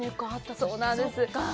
そうなんです。